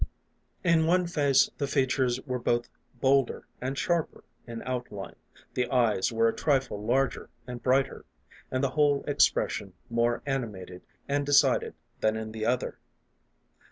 In one face the features were both bolder and sharper in outline, the eyes were a trifle larger and brighter, and the whole expression more ani mated and decided than in the other.